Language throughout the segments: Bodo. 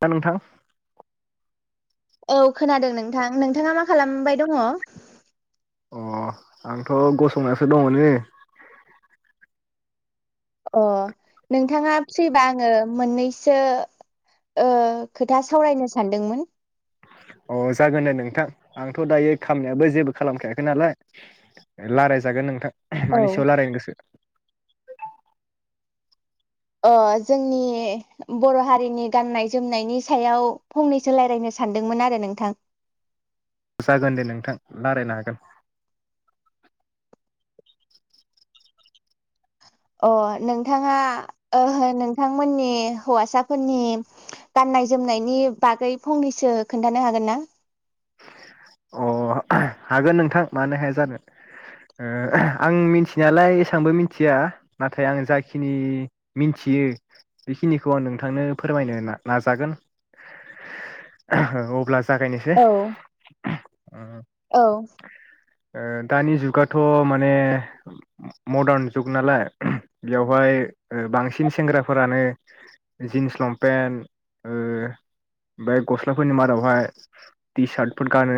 दा नोंथां। औ खोनादों नोंथां नोंथाङा मा खालामबाय दङ? अ आंथ' गसंनासो दङ नै। अ नोंथाङा फ्रिबा आङो मोननैसो ओ खोथा सावरायनो सानदोंमोन। अ जागोन दे नोंथां आंथ' दायो खामनायाबो जेबो खालामखायाखै नालाय रायलायजागोन नोंथां। औ मानि सायाव लारायनो गोसो? ओ जोंनि बर' हारिनि गाननाय जोमनायनि सायाव फंनैसो रायलायनो सानदोंमोन आरो नोंथां। जागोन दे नोंथां रायलायनो हागोन। अ नोंथाङा ओ नोंथांमोननि हौवासाफोरनि गाननाय जोमनायनि बागै फंनैसो खोन्थानो हागोन ना? अ हागोन नोंथां मानो हाया जानो, ओ आं मिथिनायालाय एसेबांबो मिथिया नाथाय आं जाखिनि मिथियो बेखिनिखौ आं नोंथांनो फोरमायनो नाजागोन। ओ अब्ला जागायनोसै औ औ ओ दानि जुगाथ' माने मदार्न जुग नालाय बेयावहाय ओ बांसिन सेंग्राफोरानो जिन्स लंपेन्ट ओ‌ बे गस्लाफोरनि मादावहाय टि सार्ट फोर गानो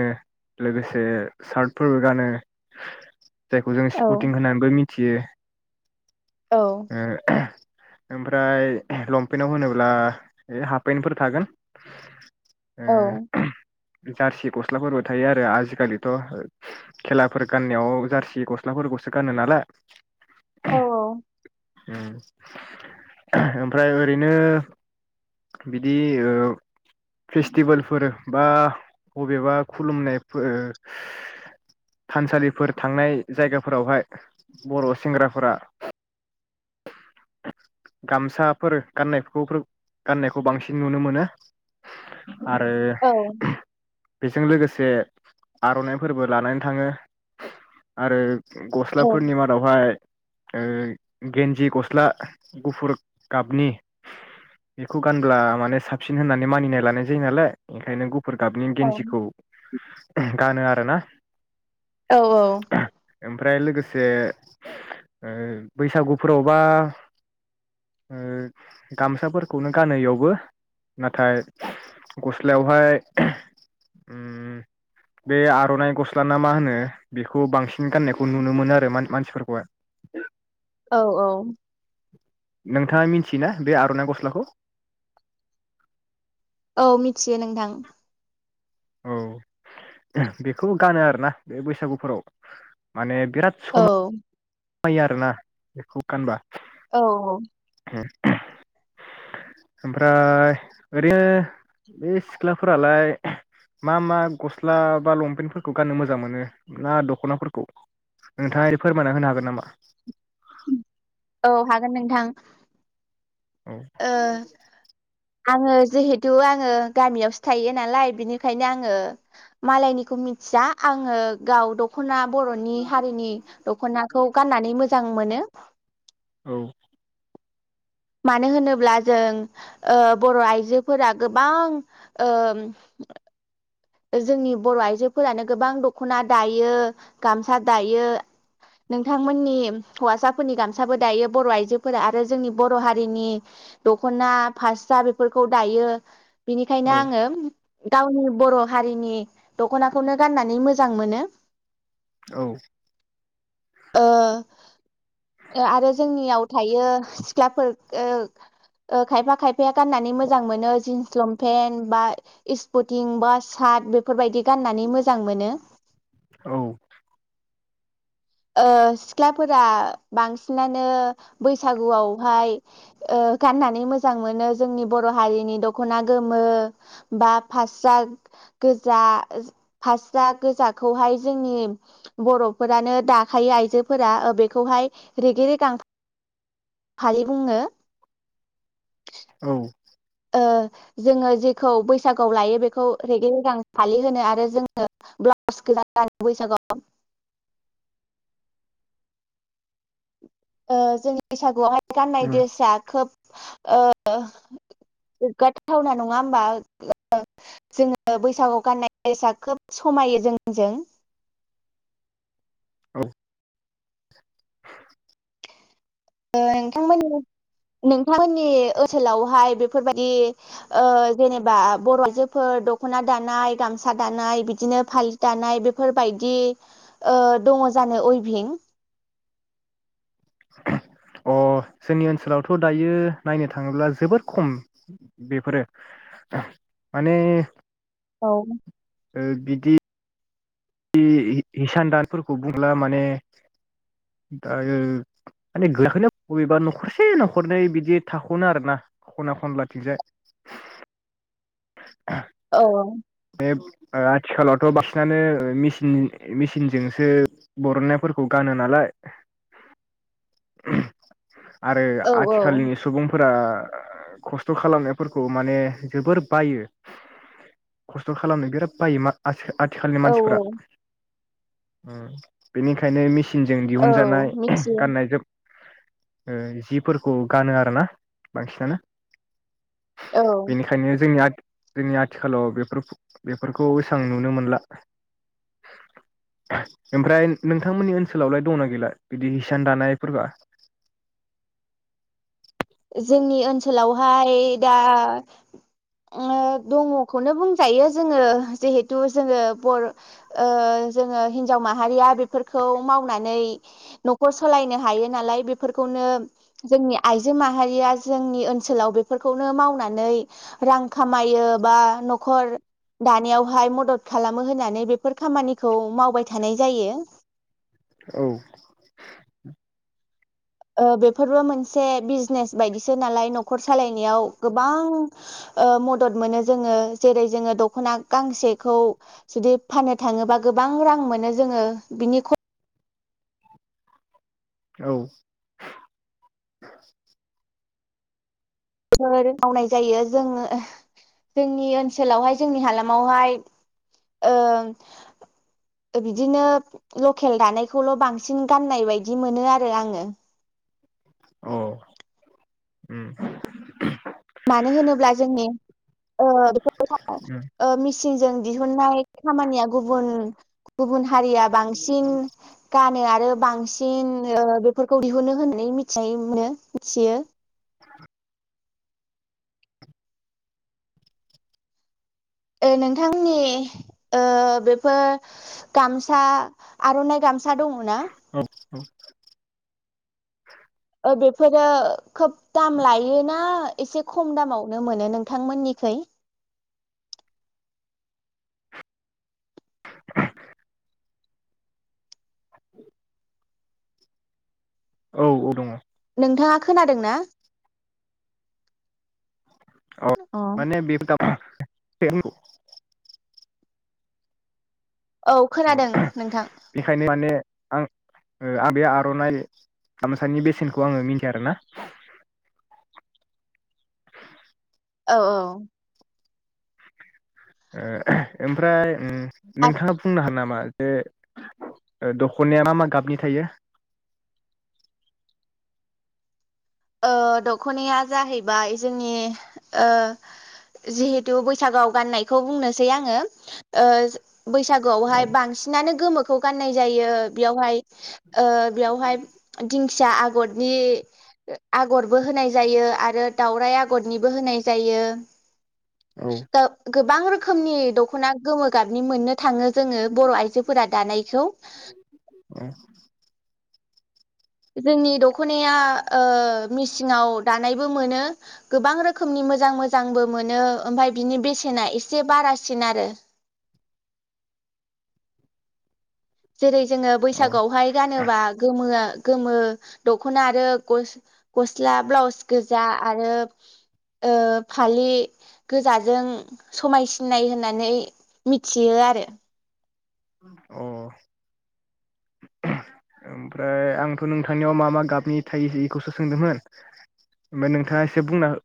लोगोसे सार्टफोर गानो जायखौ जों औ स्पुथिं होननानैबो मि थियो। औ ओ ओमफ्राय लंपेन्टआव होनोब्ला हाफ पेन्टफोर थागोन। औ ओम जारसि गस्लाफोरबो थायो आरो आजिखालिथ' खेलाफोर गाननायाव जारसि गस्लाफोरखौसो गानो नालाय। औ औ [inaudible] उम ओमफ्राय ओरैनो बिदि ओ फेस्टिभेलफोर बा बबेबा खुलुमनाय फो- ओ थानसालिफोर थांनाय जायगाफोरावहाय बर' सेंग्राफोरा [inaudible] गामसाफोर गाननायफोरखौ गाननायखौ बांसिन नुनो मोनो। आरो औ बेजों लोगोसे आर'नाइ फोरबो लानानै थाङो। आरो गस्लाफोरनि मादावहाय ओ गेन्जि गस्ला, गुफुर गाबनि बेखौ गानब्ला माने साबसिन होननानै मानिनाय लानाय जायो नालाय ओंखायनो गु फुर गाबनि औ गेन्जिखौ गानो आरोना। औ औ ओमफ्राय लोगोसे [inaudible] ओ। बैसागुफोराव बा [inaudible] ओ गामसाफोरखौनो गानो इयावबो। नाथाय गस्लायावहाय उम, बे आर'नाइ गस्ला ना मा होनो बेखौ बांसिन गाननायखौ नुनो मोनो आरो मान-मानसिफोरखौहाय। औ - औ नोंथाङा मिथियोना बे आरनाइ गस्लाखौ औ मिथियो नोंथां औ बेखौ गानो आरोना बे बैसागुफोराव माने औ मायो आरोना बेखौ गानबा औ - औ ओमफ्राय ओरैनो बे सिख्लाफोरालाय मा मा गस्ला बा लंपेन्टफोरखौ गाननो मोजां मोनो ना दखनाफोरखौ नोंथांङा फोरमायना होनो हागोन नामा औ हागोन नोंथां औ ओ आङो जिहेथु आङो गामियावसो थायो नालाय बिनिखायनो आङो मालायनिखौ मिथिया आङो गाव दखना बरनि हारिनि दखनाखौ गाननानै मोजां मोनो औ मानो होनोब्ला जों ओ बर आइजोफोरा गोबां ओ जोंनि बर आइजोफोरानो गोबां दखना दायो गामसा दायो नोंथांमोननि हौवासाफोरनि गामसाबो दायो बर आइजोफोरा आरो जोंनि बर हारिनि दखना फासरा बेफोरखौ दायो बिनिखायनो औ आङो गावनि बर जोंनि दखनाखौनो गाननानै मोजां मोनो औ ओ आरो जोंनियाव थायो सिख्लाफोर ओ - ओ खायफा खायफाया गाननानै मोजां मोनो जिन्स लंपेन बा इसपटिं बा साट बेफोरबायदि गाननानै मोजां मोनो औ ओ सिख्लाफोरा बांसिनानो बैसागुआवहाय ओ गाननानै मोजां मोनो जोंनि बर हारिनि दखना गोमो बा फास्रा गोजा फास्रा गोजाखौहाय जोंनि बरफोरानो दाखायो आइजोफोरा बेखौहाय रेगे रेगां फा फालि बुङो औ ओ जोङो जेखौ बैसागुआव लायो बेखौ रेगे रेगां फालि होनो आरो जोङो ब्लाउस गोजा गानो बैसागुआव ओ जों बैसागुआवहाय गाननाय द्रेसाआ खोब ओ गोग्गाथावना नङा होमबा जोङो बैसागुवाव गाननाय द्रेसा खोब समायो जोंजों औ ओ नोंथांमोननि नोंथांमोननि ओनसोलावहाय बेफोरबायदि ओ जेनेबा बर आइजोफोर दखना दानाय गामसा दानाय बिदिनो फालि दानाय बेफोरबायदि ओ दङ जानो उइभिं अ जोंनि ओनसोलावथ दायो नायनो थाङोब्ला जोबोर खम बेफोरो माने औ ओ बिदि दि हिसान दानफोरखौ बुंला माने दा माने गैयाखैनो बबेबा नखरसे नखरनै बिदि थाखनो आरो ना खना खनलाथिंजाय औ - औ आथिखालावथ बांसिनानो मिसिन मिसिनजोंसो बरननायफोरखौ गानो नालाय आरो औ आथिखालनि सुबुंफोरा ओ खस्थ खालामनायफोरखौ माने जोबोर बायो खस्थ खालामनो बिराद बायो मा आथिखाल आथिखालनि औ मानसिफोरा ओम बेनिखायनो मिसि जों औ दिहुनजानाय मिथियो गाननाय जोम ओ जिफोरखौ गानो आरोना बांसिनानो औ बेनिखायनो जोंनि आथ जोंनि आथिखालाव बेफोर बेफोरखौ एसेबां नुनो मोनला ओमफ्राय नोंथांमोननि ओनसोलावलाय दंना गैला बिदि हिसान दानाय फोरबोआ? जोंनि ओनसोलावहाय दा ओ दङखौनो बुंजायो जोङो जिहेथु जोङो बर ओ जोङो हिनजाव माहारिया बेफोरखौ मावनानै न'खर सालायनो हायो नालाय बेफोरखौनो जोंनि आइजो आइजो माहारिया जोंनि ओनसोलाव बेफोरखौनो मावनानै रां खामायो बा नखर दानायावहाय मदद खालामो होननानै बेफोर खामानिखौ मावबाय थानाय जायो औ ओ बेफोरबो मोनसे बिजनेस बायदिसो नालाय न'खर सालायनायाव गोबां ओ मदद मोनो जोङो जेरै जोङो दख'ना गांसेखौ जुदि फाननो थाङोबा गोबां रां मोनो जोङो बिनि ख औ फोर मावनाय जायो जोङो ओ जोंनि ओनसोलावहाय जोंनि हालामावहाय ओ बिदिनो लकेल दानायखौल' बांसिन गाननाय बायदि मोनो आरो आङो। अ ओम ओम ओम मानो होनोब्ला जोंनि उम ओ मिसिनजों दिहुननाय खामानिया गुबन गुबुन हारिया बांसिन गानो आरो बांसिन ओ बेफोरखौ दिहुनो होननानै मिथिनाय मोनो मिथियो। [inaudible] ओ नोंथांनि ओ बेफोर गामसा, आर'नाइ गामसा दङ ना? हो बेफोरो खोब दाम लायोना एसे खम दामावनो मोनो नोंथांमोननिखै? [inaudible] औ औ दङ। नोंथाङा खोनादों ना? औ माने बे [unintelligible] [unintelligible] औ खोनादों नोंथां। बेखायनो माने आं ओ आं बे आर'नाइ गामसानि बेसेनखौ आङो मिथिया आरोना। औ औ ओ ओमफ्राय ओम नोंथाङा बुंनो हागोन नामा? बे ओ दख'नाया मा मा गाबनि थायो? ओ दख'नाया जाहैबाय जोंनि ओ जिहेथु बैसागोआव गाननायखौ बुंनोसै आङो ओ औ बैसागोआवहाय बांसिनानो गोमो खौ गान्नाय जायो। बेयावहाय ओ बेयावहाय दिं खिया आगरनि आगरबो होनाय जायो आरो दावराइ आगरनिबो होनाय जायो। औ [unintelligible] गोबां रोखोमनि दख'ना गोमो गाबनि मोननो थाङो जोङो बर' आइजोफोरा दानायखौ। जोंनि दख'नाया ओ मेसिङाव दानायबो मोनो। गोबां रोखोमनि मोजां मोजांबो मोनो ओमफाय बिनि बेसेना एसे बारासिन आरो। जेरै जोङो औ अ बैसागोआवहाय गानोबा गोमोया। गोमो दखना आरो गस-गस्ला ब्लाउस गोजा आरो ओ फालि गोजाजों समायसिनाय होननानै मिथियो आरो। अ ओमफ्राय आंथ' नोंथांनियाव मा मा गाबनि थायो बेखौसो सोंदोंमोन। ओमफ्राय नोंथाङा एसे बुंना हो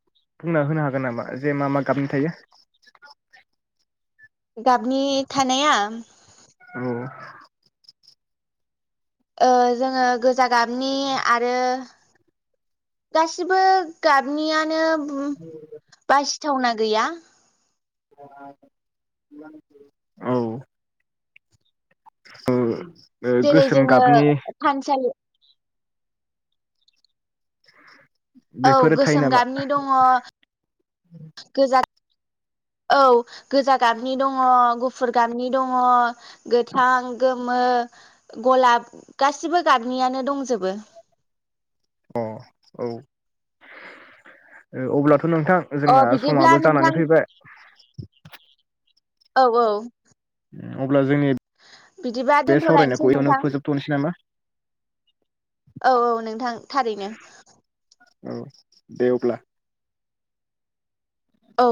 बुंना होनो हागोन नामा जे मा मा गाबनि थायो। गाबनि थानाया? औ। ओ जोङो गोजान गाबनि आरो गासिबो गाबनियानो बास थावना गैया। औ। ओ। जेरै जोङो थानसालि। [inaudible] औ बेफोरो थायो गोसोम नामा गाबनि दङ, गोजा औ गोजा गाबनि दङ गुफुर गाबनि दङ गोथां गोमो गलाब गासिबो गाबनियानो दंजोबो। अ औ अब्लाथथ'। थ' नोंथां अ जोंना बिदिब्ला समाबो नोंथां जानानै फैबाय। औ औ। [unintelligible] बिदिबा बे सावरायनायखौ दोनथ'लायनोसै एयावनो नोंथां फोजोबथ'नोसै नामा औ औ नोंथां थारैनो। औ दे अब्ला। औ।